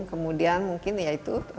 kemudian mungkin ya itu